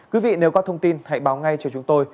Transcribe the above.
quý vị nếu có thông tin hãy báo ngay cho chúng tôi